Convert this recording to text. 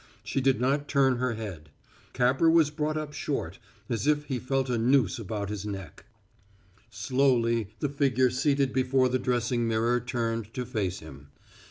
She did not turn her head. Capper was brought up short, as if he felt a noose about his neck. Slowly the figure seated before the dressing mirror turned to face him.